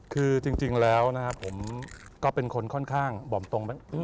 คือจริงแล้วนะครับผมก็เป็นคนค่อนข้างบ่อมตรง